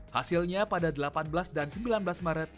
hasilnya pada delapan belas dan sembilan belas maret